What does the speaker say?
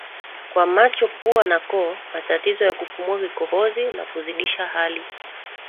kwa macho pua na koo matatizo ya kupumua kikohozi na kuzidisha hali